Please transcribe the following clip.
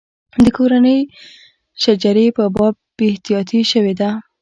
د کورنۍ شجرې په باب بې احتیاطي شوې ده.